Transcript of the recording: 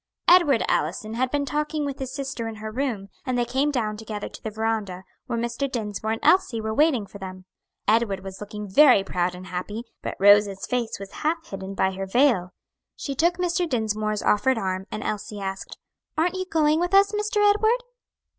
Edward Allison had been talking with his sister in her room, and they came down together to the veranda, where Mr. Dinsmore and Elsie were waiting for them. Edward was looking very proud and happy, but Rose's face was half hidden by her veil. She took Mr. Dinsmore's offered arm and Elsie asked, "Aren't you going with us, Mr. Edward?"